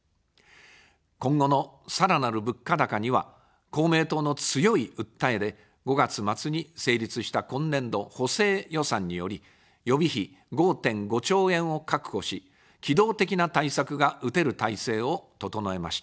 今後のさらなる物価高には公明党の強い訴えで、５月末に成立した今年度補正予算により、予備費５．５兆円を確保し、機動的な対策が打てる体制を整えました。